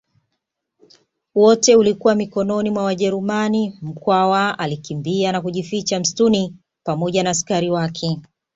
wote ulikuwa mikononi mwa wajerumani Mkwawa alikimbia na kujificha msituni pamoja na askari wake